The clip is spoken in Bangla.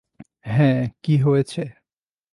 হ্যাঁ, কি হয়েছে?